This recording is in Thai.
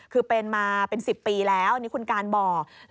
คือเป็นมาเป็น๑๐ปีแล้วอันนี้คุณการบอก